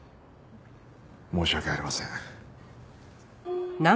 申し訳ありません。